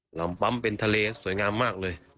ลำปั๊มเป็นทะเลสวยงามมากเลย